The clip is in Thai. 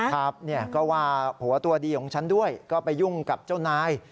ครับเนี่ยก็ว่าผัวตัวดีของฉันด้วยก็ไปยุ่งกับเจ้านาย